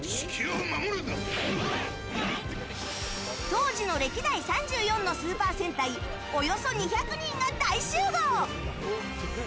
当時の歴代３４のスーパー戦隊およそ２００人が大集合！